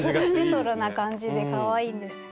レトロな感じでかわいいんです。